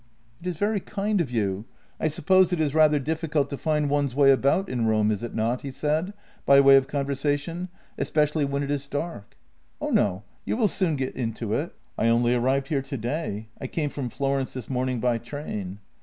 " It is very kind of you; I suppose it is rather difficult to find one's way about in Rome, is it not? " he said, by way of con versation —" especially when it is dark." " Oh no, you will soon get into it." " I only arrived here to day. I came from Florence this morning by train."